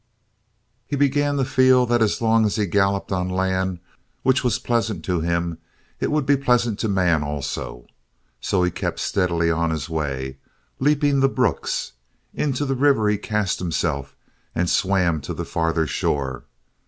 He began to feel that as long as he galloped on land which was pleasant to him it would be pleasant to man also. So he kept steadily on his way, leaping the brooks. Into the river he cast himself and swam to the farther shore.